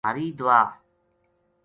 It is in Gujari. مھاری دُعا